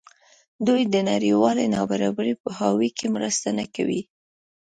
دوی د نړیوالې نابرابرۍ په پوهاوي کې مرسته نه کوي.